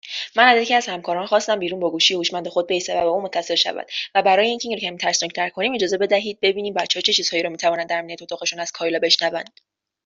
من از یکی از همکاران خواستم بیرون با گوشی هوشمند خود بایستد، و او متصل شود، و برای اینکه این را کمی ترسناکتر کنیم … (خنده) اجازه بدهید ببینیم بچهها چه چیزهایی را میتوانند در امنیت اتاقشان از کایلا بشنوند